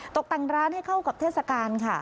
ตกแต่งร้านให้เข้ากับเทศกาลค่ะ